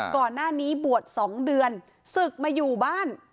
ก่อนหน้านี้บวช๒เดือนศึกมาอยู่บ้าน